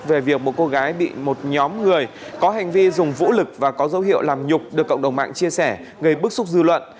về việc một cô gái bị một nhóm người có hành vi dùng vũ lực và có dấu hiệu làm nhục được cộng đồng mạng chia sẻ gây bức xúc dư luận